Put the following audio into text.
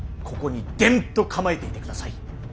ここにでんと構えていてください。